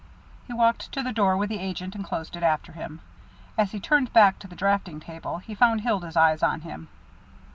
He walked to the door with the agent and closed it after him. As he turned back to the draughting table, he found Hilda's eyes on him.